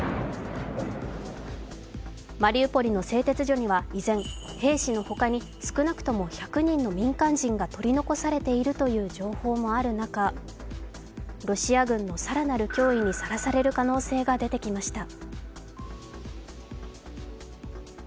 マリウポリの製鉄所には依然兵士のほかに少なくとも１００人の民間人が取り残されているという情報もある中、ロシア軍の更なる脅威にさらされる可能性が出てきました。